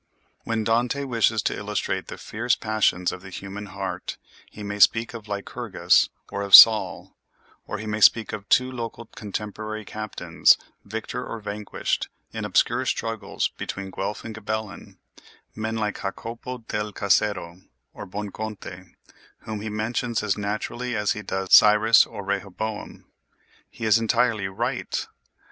When Dante wishes to illustrate the fierce passions of the human heart, he may speak of Lycurgus, or of Saul; or he may speak of two local contemporary captains, victor or vanquished in obscure struggles between Guelph and Ghibellin; men like Jacopo del Cassero or Buonconte, whom he mentions as naturally as he does Cyrus or Rehoboam. He is entirely right!